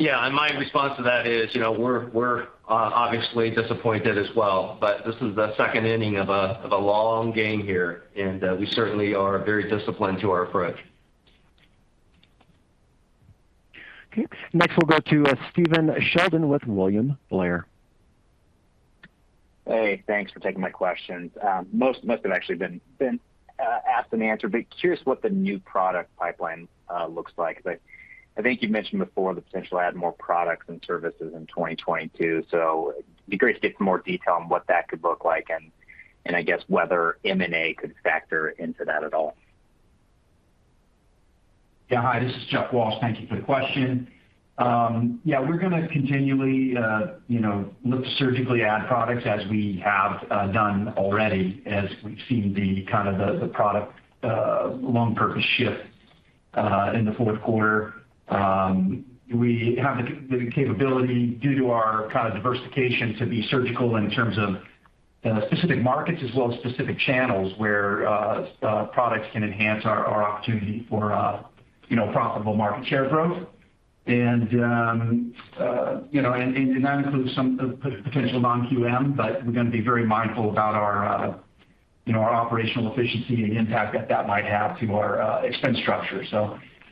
Yeah. My response to that is, you know, we're obviously disappointed as well, but this is the second inning of a long game here, and we certainly are very disciplined to our approach. Okay. Next, we'll go to Stephen Sheldon with William Blair. Hey, thanks for taking my questions. Most of them have actually been asked and answered. Curious what the new product pipeline looks like. 'Cause I think you mentioned before the potential to add more products and services in 2022, so it'd be great to get some more detail on what that could look like, and I guess whether M&A could factor into that at all. Yeah. Hi, this is Jeff Walsh, thank you for the question. Yeah, we're gonna continually you know, look to surgically add products as we have done already as we've seen the kind of product loan purpose shift in the fourth quarter. We have the capability due to our kind of diversification to be surgical in terms of specific markets as well as specific channels where products can enhance our opportunity for you know, profitable market share growth. That includes some of potential non-QM, but we're gonna be very mindful about our you know, our operational efficiency and impact that might have to our expense structure.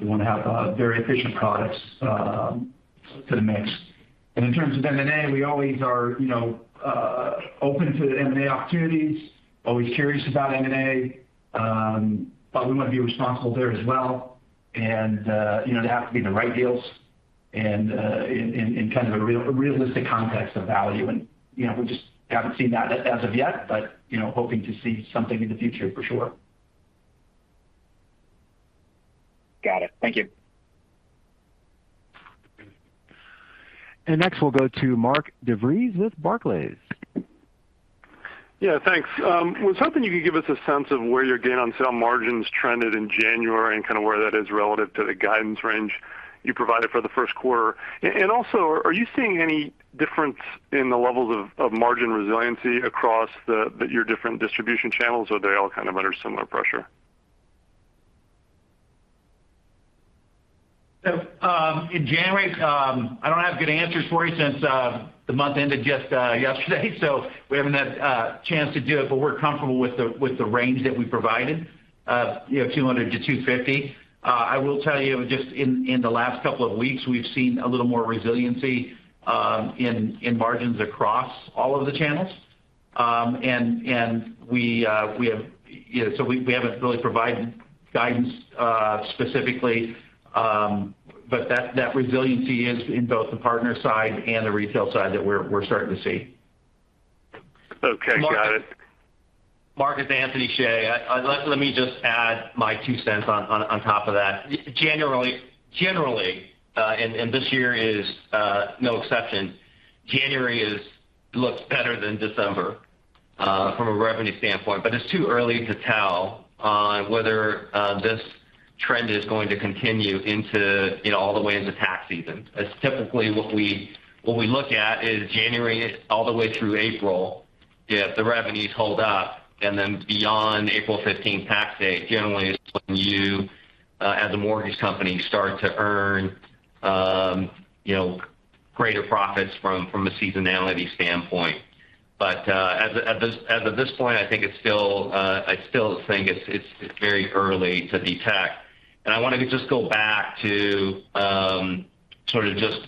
We want to have very efficient products to the mix. In terms of M&A, we always are, you know, open to M&A opportunities, always curious about M&A, but we want to be responsible there as well, and, you know, they have to be the right deals and, in kind of a realistic context of value. You know, we just haven't seen that as of yet, but, you know, hoping to see something in the future for sure. Got it. Thank you. Next, we'll go to Mark DeVries with Barclays. Yeah, thanks. I was hoping you could give us a sense of where your gain on sale margins trended in January and kind of where that is relative to the guidance range you provided for the first quarter. Also, are you seeing any difference in the levels of margin resiliency across your different distribution channels, or are they all kind of under similar pressure? In January, I don't have good answers for you since the month ended just yesterday, so we haven't had a chance to do it. We're comfortable with the range that we provided, you know, 200-250. I will tell you just in the last couple of weeks, we've seen a little more resiliency in margins across all of the channels. You know, we haven't really provided guidance specifically, but that resiliency is in both the partner side and the retail side that we're starting to see. Okay. Got it. Mark- Mark, it's Anthony Hsieh. Let me just add my two cents on top of that. Generally, and this year is no exception, January looks better than December from a revenue standpoint. It's too early to tell whether this trend is going to continue into, you know, all the way into tax season. That's typically what we look at is January all the way through April if the revenues hold up, and then beyond April 15th tax date generally is when you as a mortgage company start to earn you know greater profits from a seasonality standpoint. As of this point, I still think it's very early to detect. I want to just go back to, sort of just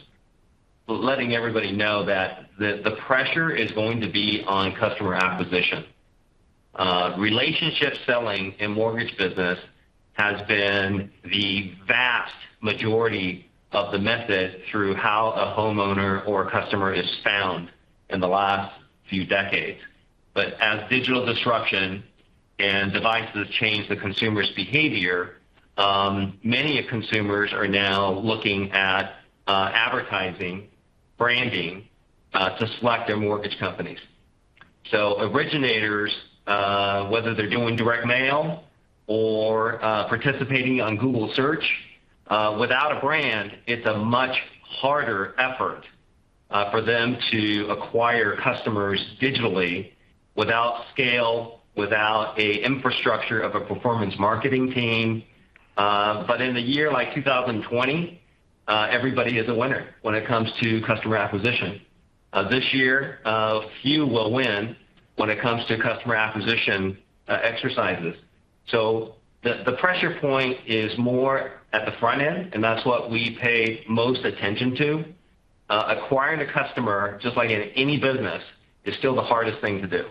letting everybody know that the pressure is going to be on customer acquisition. Relationship selling in mortgage business has been the vast majority of the method through how a homeowner or a customer is found in the last few decades. As digital disruption and devices change the consumer's behavior, many consumers are now looking at advertising, branding, to select their mortgage companies. Originators, whether they're doing direct mail or participating on Google search, without a brand, it's a much harder effort for them to acquire customers digitally without scale, without a infrastructure of a performance marketing team. In a year like 2020, everybody is a winner when it comes to customer acquisition. This year, few will win when it comes to customer acquisition exercises. The pressure point is more at the front end, and that's what we pay most attention to. Acquiring a customer, just like in any business, is still the hardest thing to do.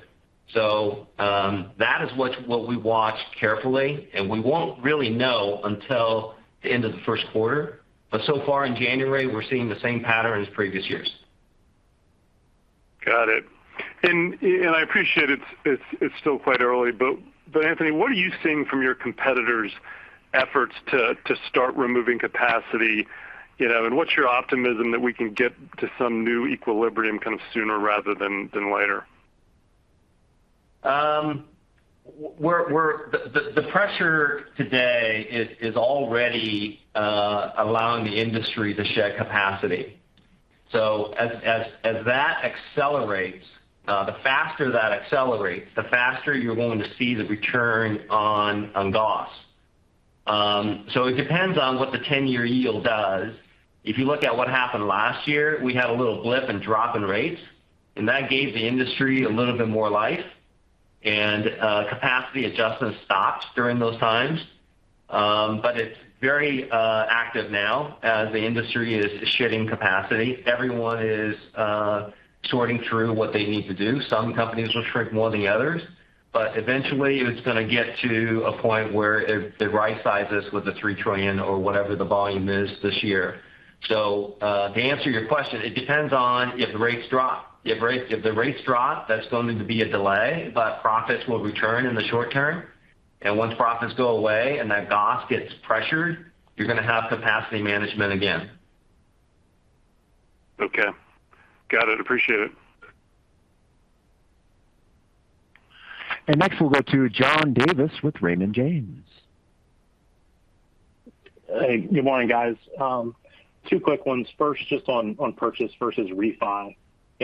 That is what we watch carefully, and we won't really know until the end of the first quarter. So far in January, we're seeing the same pattern as previous years. Got it. I appreciate it's still quite early, but Anthony, what are you seeing from your competitors' efforts to start removing capacity, you know, and what's your optimism that we can get to some new equilibrium kind of sooner rather than later? The pressure today is already allowing the industry to shed capacity. As that accelerates, the faster that accelerates, the faster you're going to see the return on GoS. It depends on what the 10-year yield does. If you look at what happened last year, we had a little blip and drop in rates, and that gave the industry a little bit more life. Capacity adjustment stopped during those times. It's very active now as the industry is shedding capacity. Everyone is sorting through what they need to do. Some companies will shrink more than the others, but eventually it's gonna get to a point where the right size is with the $3 trillion or whatever the volume is this year. To answer your question, it depends on if the rates drop. If the rates drop, that's going to be a delay, but profits will return in the short term. Once profits go away and that GoS gets pressured, you're gonna have capacity management again. Okay. Got it. Appreciate it. Next, we'll go to John Davis with Raymond James. Hey, good morning, guys. Two quick ones. First, just on purchase versus refi.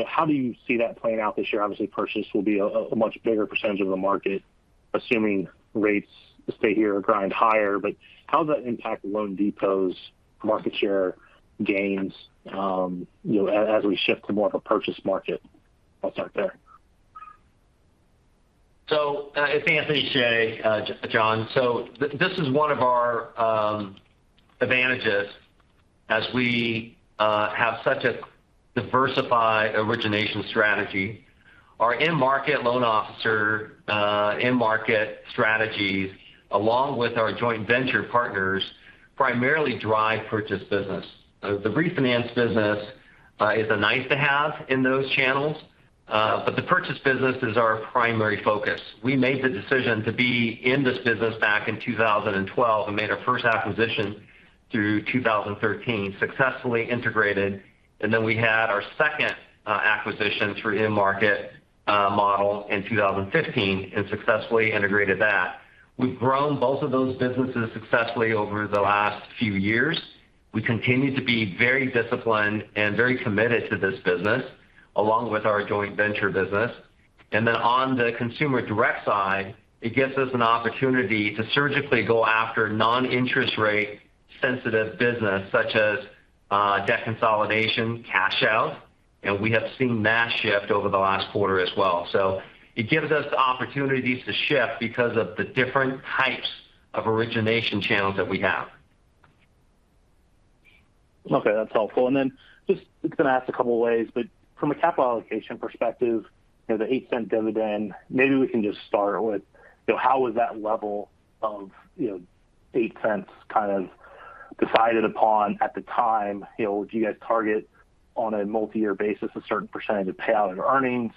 How do you see that playing out this year? Obviously, purchase will be a much bigger percentage of the market, assuming rates stay here or grind higher. How does that impact loanDepot's market share gains, you know, as we shift to more of a purchase market? I'll start there. It's Anthony Jay, John. This is one of our advantages as we have such a diversified origination strategy. Our in-market loan officer in-market strategies, along with our joint venture partners, primarily drive purchase business. The refinance business is a nice-to-have in those channels, but the purchase business is our primary focus. We made the decision to be in this business back in 2012 and made our first acquisition through 2013, successfully integrated. Then we had our second acquisition through in-market model in 2015, and successfully integrated that. We've grown both of those businesses successfully over the last few years. We continue to be very disciplined and very committed to this business, along with our joint venture business. Then on the consumer direct side, it gives us an opportunity to surgically go after non-interest rate sensitive business such as, debt consolidation, cash out, and we have seen that shift over the last quarter as well. It gives us the opportunities to shift because of the different types of origination channels that we have. Okay, that's helpful. Then just, I'm gonna ask a couple ways, but from a capital allocation perspective, you know, the $0.08 dividend, maybe we can just start with, you know, how was that level of, you know, $0.08 kind of decided upon at the time? You know, do you guys target on a multi-year basis a certain percentage of payout of earnings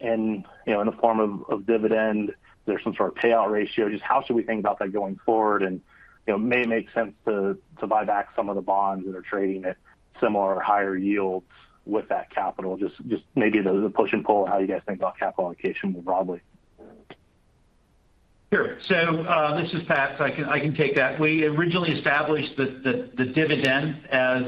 and, you know, in the form of dividend? There's some sort of payout ratio. Just how should we think about that going forward? You know, it may make sense to buy back some of the bonds that are trading at similar or higher yields with that capital. Just maybe the push and pull, how you guys think about capital allocation more broadly. Sure. This is Pat, so I can take that. We originally established the dividend as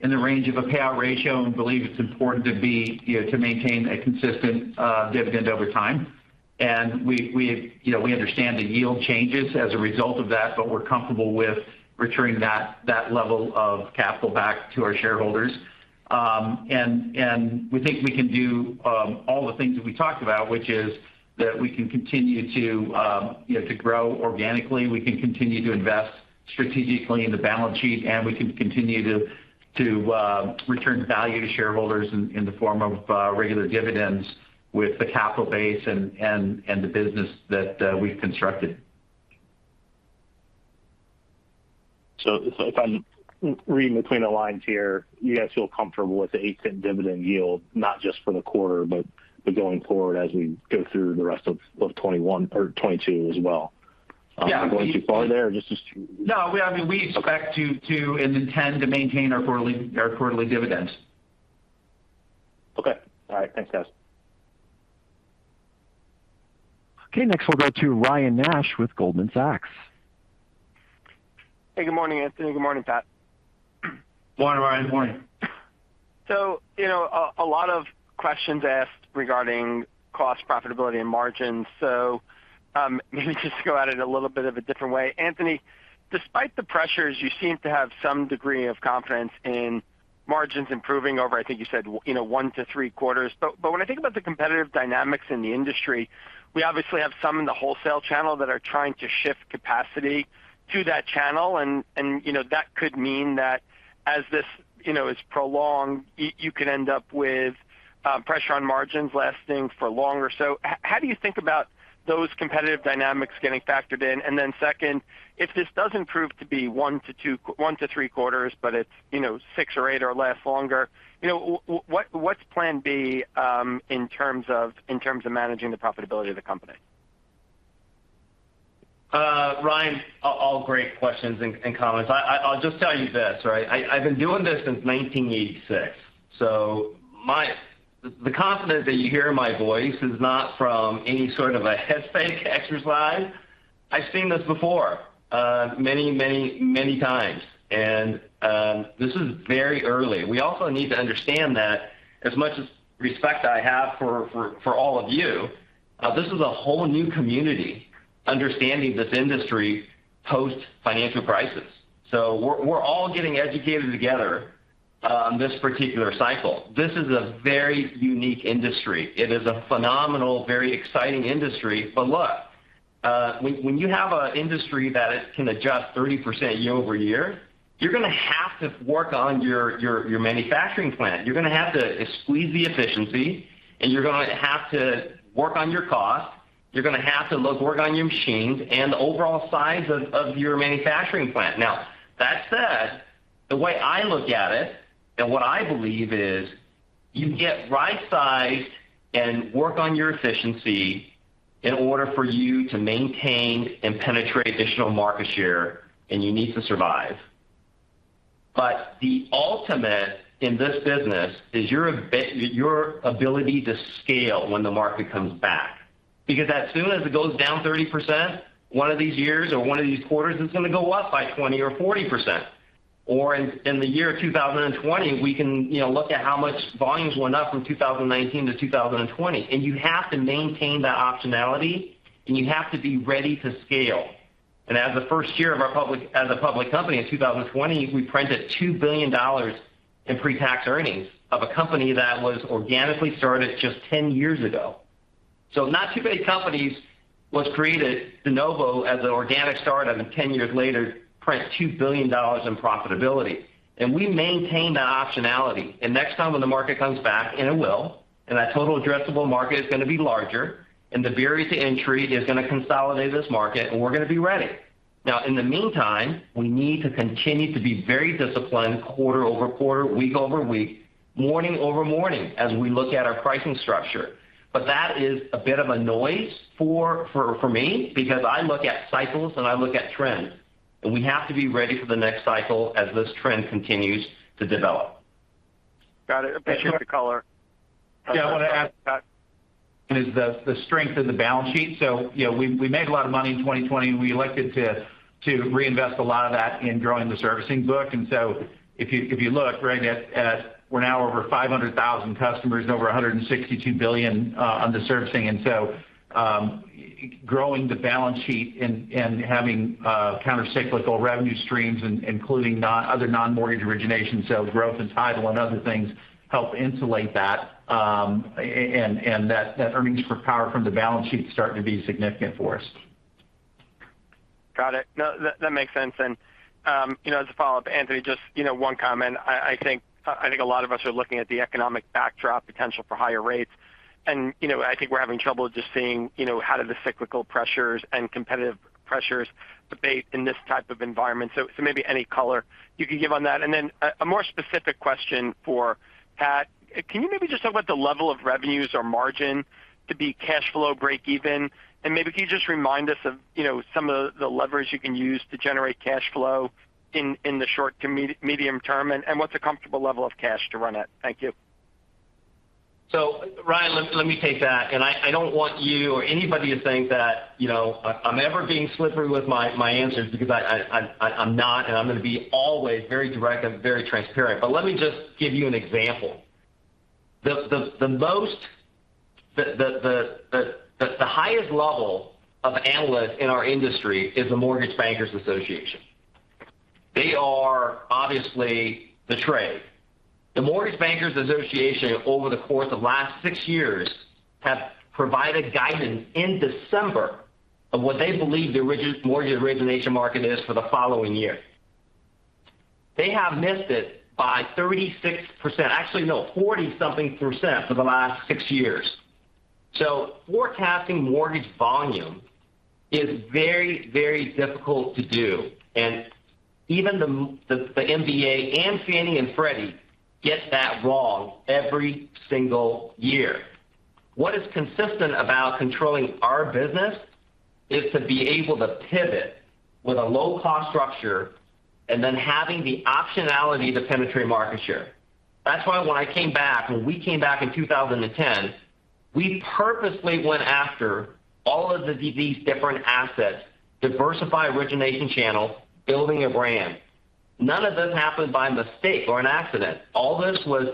in the range of a payout ratio and believe it's important to be, you know, to maintain a consistent dividend over time. We understand the yield changes as a result of that, but we're comfortable with returning that level of capital back to our shareholders. We think we can do all the things that we talked about, which is that we can continue to, you know, to grow organically. We can continue to invest strategically in the balance sheet, and we can continue to return value to shareholders in the form of regular dividends with the capital base and the business that we've constructed. If I'm reading between the lines here, you guys feel comfortable with the $0.08 dividend yield, not just for the quarter, but going forward as we go through the rest of 2021 or 2022 as well. Yeah. Am I going too far there? No. I mean, we expect to and intend to maintain our quarterly dividends. Okay. All right. Thanks, guys. Okay. Next, we'll go to Ryan Nash with Goldman Sachs. Hey, good morning, Anthony. Good morning, Pat. Good morning, Ryan. Good morning. You know, a lot of questions asked regarding cost profitability and margins. Maybe just go at it a little bit of a different way. Anthony, despite the pressures, you seem to have some degree of confidence in margins improving over, I think you said, you know, one to three quarters. When I think about the competitive dynamics in the industry, we obviously have some in the wholesale channel that are trying to shift capacity to that channel. You know, that could mean that as this, you know, is prolonged, you could end up with pressure on margins lasting for longer. How do you think about those competitive dynamics getting factored in? Second, if this doesn't prove to be one to three quarters, but it's six or eight or even longer, what's plan B in terms of managing the profitability of the company? Ryan, all great questions and comments. I'll just tell you this, right? I've been doing this since 1986, so the confidence that you hear in my voice is not from any sort of a head fake exercise. I've seen this before, many times. This is very early. We also need to understand that as much respect I have for all of you, this is a whole new community understanding this industry post-financial crisis. We're all getting educated together on this particular cycle. This is a very unique industry. It is a phenomenal, very exciting industry. Look, when you have an industry that it can adjust 30% year-over-year, you're gonna have to work on your manufacturing plant. You're gonna have to squeeze the efficiency, and you're gonna have to work on your cost. You're gonna have to work on your machines and the overall size of your manufacturing plant. Now, that said, the way I look at it and what I believe is you get right-sized and work on your efficiency in order for you to maintain and penetrate additional market share, and you need to survive. The ultimate in this business is your ability to scale when the market comes back. Because as soon as it goes down 30% one of these years or one of these quarters, it's gonna go up by 20% or 40%. In the year 2020, we can, you know, look at how much volumes went up from 2019 to 2020. You have to maintain that optionality, and you have to be ready to scale. As the first year as a public company in 2020, we printed $2 billion in pre-tax earnings of a company that was organically started just 10 years ago. Not too many companies was created de novo as an organic start, and then 10 years later, print $2 billion in profitability. We maintain that optionality. Next time when the market comes back, and it will, and that total addressable market is gonna be larger, and the barriers to entry is gonna consolidate this market, and we're gonna be ready. Now, in the meantime, we need to continue to be very disciplined quarter over quarter, week over week, morning over morning as we look at our pricing structure. That is a bit of a noise for me because I look at cycles and I look at trends. We have to be ready for the next cycle as this trend continues to develop. Got it. Appreciate the color. Yeah. I want to add, Pat, the strength in the balance sheet. You know, we made a lot of money in 2020, and we elected to reinvest a lot of that in growing the servicing book. If you look right at, we're now over 500,000 customers and over $162 billion under servicing. Growing the balance sheet and having countercyclical revenue streams including other non-mortgage origination sales growth and title and other things help insulate that. That earnings power from the balance sheet is starting to be significant for us. Got it. No, that makes sense. You know, as a follow-up, Anthony, just you know, one comment. I think a lot of us are looking at the economic backdrop potential for higher rates. You know, I think we're having trouble just seeing you know, how do the cyclical pressures and competitive pressures debate in this type of environment. So maybe any color you could give on that. Then a more specific question for Pat. Can you maybe just talk about the level of revenues or margin to be cash flow break even? Maybe can you just remind us of you know, some of the leverage you can use to generate cash flow in the short to medium term, and what's a comfortable level of cash to run at? Thank you. Ryan, let me take that. I don't want you or anybody to think that, you know, I'm ever being slippery with my answers because I'm not, and I'm gonna be always very direct and very transparent. Let me just give you an example. The highest level of analyst in our industry is the Mortgage Bankers Association. They are obviously the trade. The Mortgage Bankers Association over the course of last six years have provided guidance in December of what they believe the mortgage origination market is for the following year. They have missed it by 36%. Actually, no, 40-something percent for the last six years. Forecasting mortgage volume is very, very difficult to do. Even the VA and Fannie and Freddie get that wrong every single year. What is consistent about controlling our business is to be able to pivot with a low cost structure and then having the optionality to penetrate market share. That's why when I came back, when we came back in 2010, we purposely went after all of these different assets, diversify origination channels, building a brand. None of this happened by mistake or an accident. All this was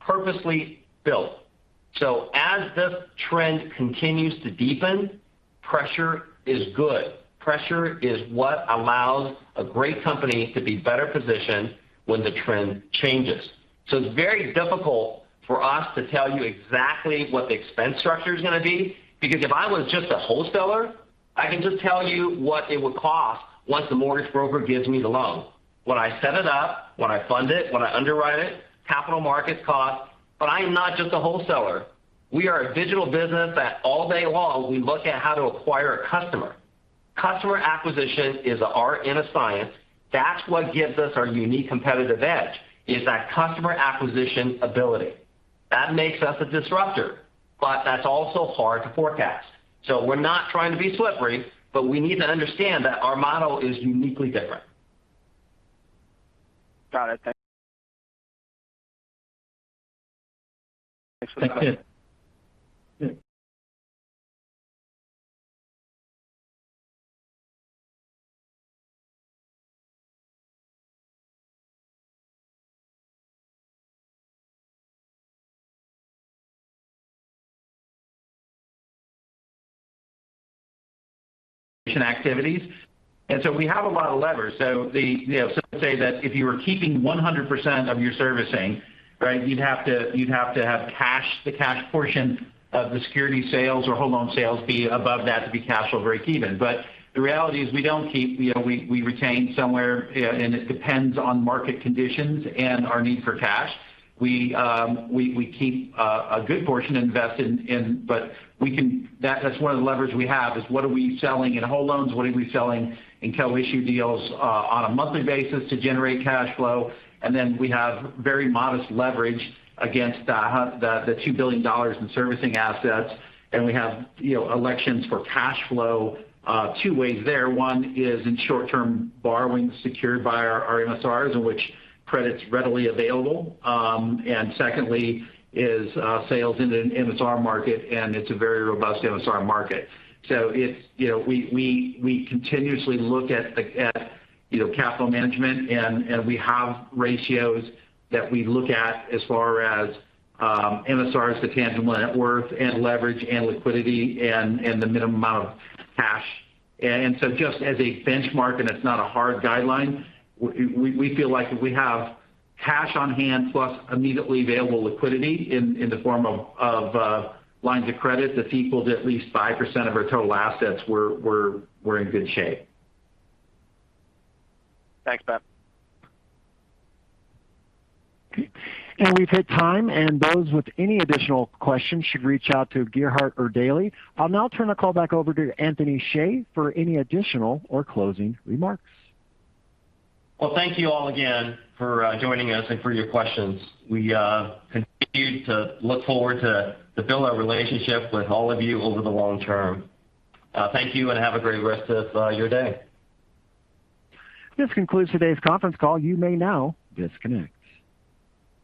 purposely built. As this trend continues to deepen, pressure is good. Pressure is what allows a great company to be better positioned when the trend changes. It's very difficult for us to tell you exactly what the expense structure is gonna be. Because if I was just a wholesaler, I can just tell you what it would cost once the mortgage broker gives me the loan. When I set it up, when I fund it, when I underwrite it, capital markets cost. I am not just a wholesaler. We are a digital business that all day long we look at how to acquire a customer. Customer acquisition is an art and a science. That's what gives us our unique competitive edge, is that customer acquisition ability. That makes us a disruptor, but that's also hard to forecast. We're not trying to be slippery, but we need to understand that our model is uniquely different. Got it. Thank you. - activities. We have a lot of levers. You know, some say that if you were keeping 100% of your servicing, right, you'd have to have cash, the cash portion of the security sales or whole loan sales fee above that to be cash flow break even. But the reality is we don't keep, you know, we retain somewhere, and it depends on market conditions and our need for cash. We keep a good portion invested in, but we can. That's one of the levers we have, is what are we selling in whole loans? What are we selling in co-issue deals, on a monthly basis to generate cash flow? We have very modest leverage against the $2 billion in servicing assets. We have, you know, options for cash flow two ways there. One is short-term borrowing secured by our MSRs in which credit is readily available. Secondly is sales in the MSR market, and it's a very robust MSR market. We continuously look at capital management and we have ratios that we look at as far as MSRs to tangible net worth and leverage and liquidity and the minimum amount of cash. Just as a benchmark, and it's not a hard guideline, we feel like if we have cash on hand plus immediately available liquidity in the form of lines of credit that equal to at least 5% of our total assets, we're in good shape. Thanks, Pat. We've hit time, and those with any additional questions should reach out to Gerhard Erdelji. I'll now turn the call back over to Anthony Hsieh for any additional or closing remarks. Well, thank you all again for joining us and for your questions. We continue to look forward to build our relationship with all of you over the long term. Thank you, and have a great rest of your day. This concludes today's conference call. You may now disconnect.